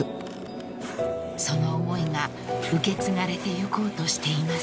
［その思いが受け継がれてゆこうとしています］